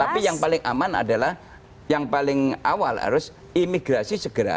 tapi yang paling aman adalah yang paling awal harus imigrasi segera